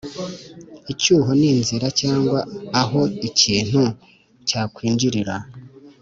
icyuho ni inzira cyangwa aho ikintu cyakwinjirira.